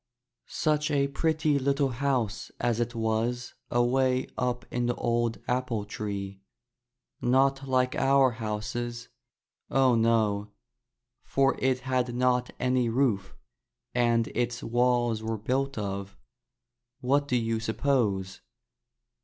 Such a pretty little house as it was away up in the old apple tree. Not like our houses, oh, no! — for it had not any roof and its walls were built of — ^what do you suppose?